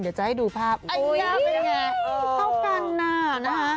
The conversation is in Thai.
เดี๋ยวจะให้ดูภาพอุ๊ยน่าเป็นไงเข้ากันนะฮะ